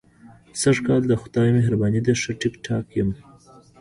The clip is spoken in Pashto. سږ کال د خدای مهرباني ده، ښه ټیک ټاک یم.